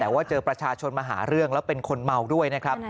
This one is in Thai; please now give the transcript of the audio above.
แต่ว่าเจอประชาชนมาหาเรื่องแล้วเป็นคนเมาด้วยนะครับ